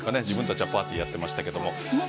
自分たちはパーティーやってましたけども。